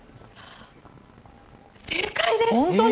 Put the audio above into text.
正解です！